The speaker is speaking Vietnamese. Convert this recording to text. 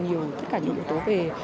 nhiều tất cả những yếu tố